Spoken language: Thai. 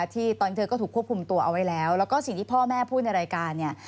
ที่ตอนเธอก็ถูกควบคุมตัวเอาไว้แล้วแล้วก็สิ่งที่พ่อแม่พูดในรายการเนี่ย